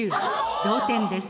同点です。